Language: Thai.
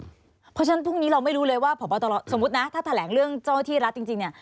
เพราะฉะนั้นพรุ่งนี้เราไม่รู้เลยว่าพบตรสมมุตินะถ้าแถลงเรื่องเจ้าหน้าที่รัฐจริงเนี่ย